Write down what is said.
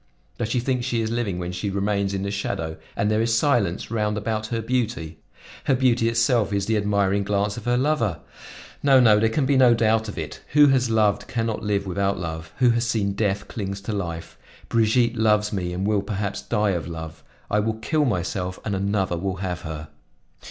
Does she think she is living when she remains in the shadow and there is silence round about her beauty? Her beauty itself is the admiring glance of her lover. No, no, there can be no doubt of it; who has loved, can not live without love; who has seen death, clings to life. Brigitte loves me and will perhaps die of love; I will kill myself and another will have her."